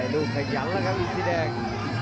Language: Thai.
ลูกขยันแล้วครับอินสีแดง